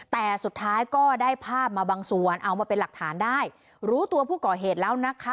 แต่สุดท้ายก็ได้ภาพมาบางส่วนเอามาเป็นหลักฐานได้รู้ตัวผู้ก่อเหตุแล้วนะคะ